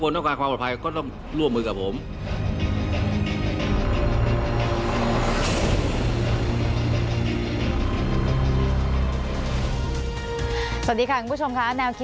เพราะว่านายกกฎมตรีนั้นก็คงต้องพยายามทำให้เกิดขึ้นได้จริงนะคะ